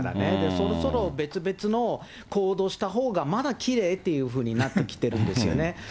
そろそろ別々の行動したほうが、まだきれいっていうふうになってきてるんですよね。